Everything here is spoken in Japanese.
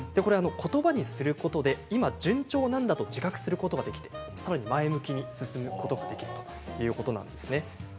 ことばにすることで今、順調なんだと自覚することができて、さらに前向きに進むことができるということなんです。